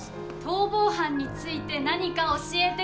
逃亡犯について何か教えて下さい。